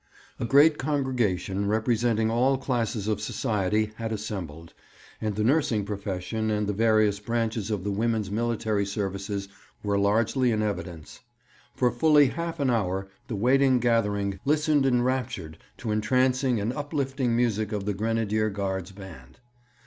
A great congregation, representing all classes of society, had assembled, and the nursing profession and the various branches of the women's military services were largely in evidence. For fully half an hour the waiting gathering listened enraptured to entrancing and uplifting music of the Grenadier Guards' band.